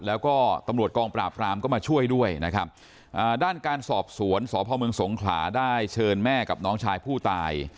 แล้วก็ตำรวจกองปราบรามก็มาช่วยด้วยนะครับอ่าด้านการสอบสวนสพเมืองสงขลาได้เชิญแม่กับน้องชายผู้ตาย